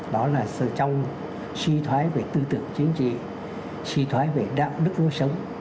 đó là sự trong suy thoái về tư tưởng chính trị suy thoái về đạo đức lối sống